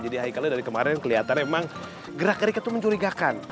jadi haikalnya dari kemarin kelihatan emang gerak gerikan tuh mencurigakan